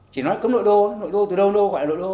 chỉ nói cấm nội đô nội đô từ đâu nội đô gọi là nội đô